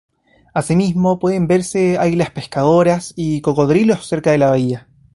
Así mismo pueden verse águilas pescadoras y cocodrilos cerca de la bahía.